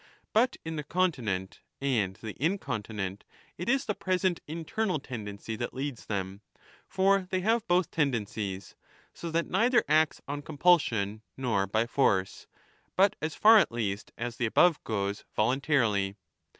But in the continent and the incontinent it is the present internal tendency that leads them, for they have 10 both tendencies. So that neither acts on compulsion nor by force, but, as far at least as the above goes, voluntarily.